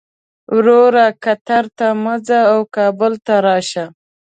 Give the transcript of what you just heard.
وروره قطر ته مه ځه او کابل ته راشه.